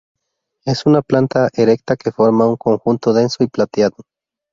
Es una planta erecta que forma un conjunto denso y plateado.